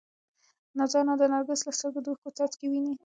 نازو انا د نرګس له سترګو د اوښکو څاڅکي ویني.